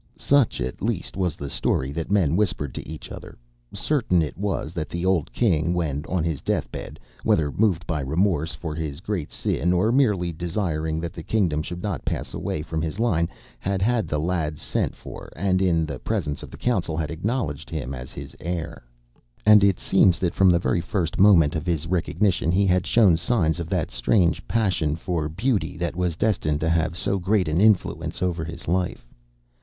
Such, at least, was the story that men whispered to each other. Certain it was that the old King, when on his deathbed, whether moved by remorse for his great sin, or merely desiring that the kingdom should not pass away from his line, had had the lad sent for, and, in the presence of the Council, had acknowledged him as his heir. And it seems that from the very first moment of his recognition he had shown signs of that strange passion for beauty that was destined to have so great an influence over his life.